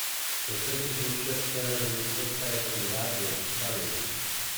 The citizenship ceremony took place in Weybridge, Surrey.